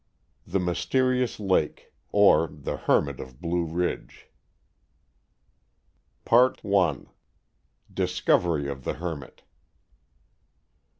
THE MYSTERIOUS LAKE; OR, THE HERMIT OF BLUE RIDGE. I. DISCOVERY OF THE HERMIT.